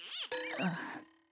あっ。